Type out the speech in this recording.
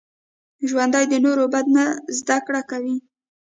ژوندي د نورو بد نه زده کړه کوي